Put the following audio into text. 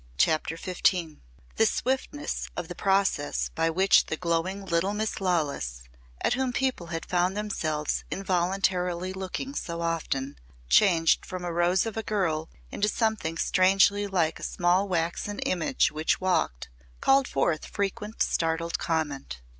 CHAPTER XV The swiftness of the process by which the glowing little Miss Lawless, at whom people had found themselves involuntarily looking so often, changed from a rose of a girl into something strangely like a small waxen image which walked, called forth frequent startled comment.